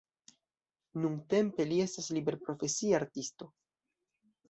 Nuntempe li estas liberprofesia artisto.